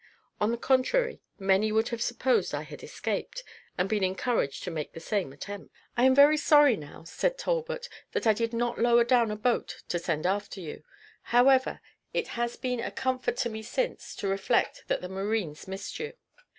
On the contrary, many would have supposed I had escaped, and been encouraged to make the same attempt." "I am very sorry now," said Talbot, "that I did not lower down a boat to send after you; however, it has been a comfort to me since to reflect that the marines missed you."